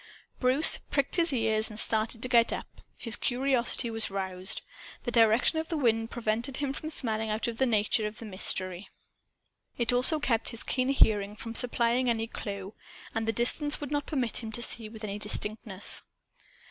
Bruce pricked his ears and started to get up. His curiosity was roused. The direction of the wind prevented him from smelling out the nature of the mystery. It also kept his keen hearing from supplying any clue. And the distance would not permit him to see with any distinctness.